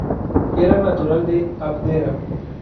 Era natural de Abdera.